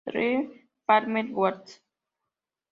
The farmer walk